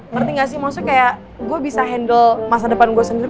ngerti gak sih maksudnya kayak gue bisa handle masa depan gue sendiri